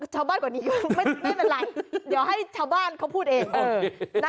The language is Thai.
กว่านี้ไม่เป็นไรเดี๋ยวให้ชาวบ้านเขาพูดเอง